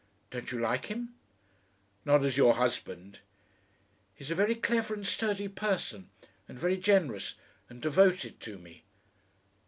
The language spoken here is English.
"Don't you like him?" "Not as your husband." "He's a very clever and sturdy person and very generous and devoted to me."